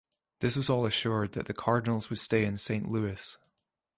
This all but assured that the Cardinals would stay in Saint Louis.